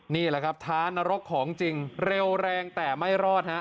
นี่แหละครับท้านรกของจริงเร็วแรงแต่ไม่รอดฮะ